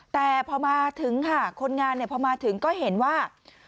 แต่พอมาถึงค่ะคนงานพอมาถึงก็เห็นว่า